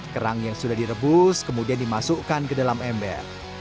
kerang yang sudah direbus kemudian dimasukkan ke dalam ember